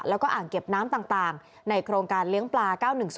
แล้วก็อ่างเก็บน้ำต่างในโครงการเลี้ยงปลา๙๑๒